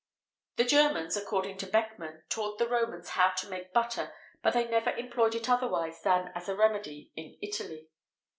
[XVIII 28] The Germans, according to Beckmann, taught the Romans how to make butter, but they never employed it otherwise than as a remedy in Italy.